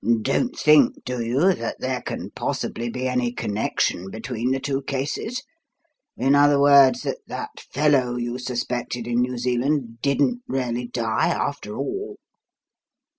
"Don't think, do you, that there can possibly be any connection between the two cases? In other words, that that fellow you suspected in New Zealand didn't really die after all?"